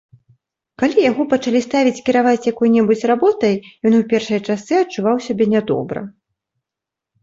Калі яго пачалі ставіць кіраваць якой-небудзь работай, ён у першыя часы адчуваў сябе нядобра.